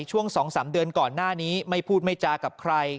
ช่วง๒๓เดือนก่อนหน้านี้ไม่พูดไม่จากับใคร